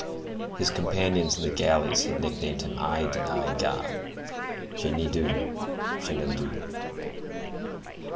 His companions in the galleys had nicknamed him I deny God (Je nie Dieu, Chenildieu).